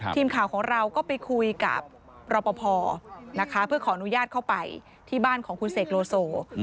ทีมข่าวของเราก็ไปคุยกับรอปภนะคะเพื่อขออนุญาตเข้าไปที่บ้านของคุณเสกโลโซ